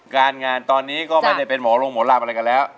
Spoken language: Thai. การงานตอนนี้ก็ไม่ได้เป็นหมอลงหมอลำอะไรกันแล้ว